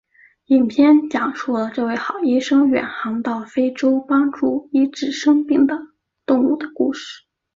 影片讲述了这位好医生远航到非洲帮助医治生病的动物的故事。